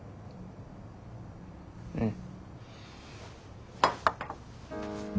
うん。